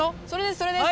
それです！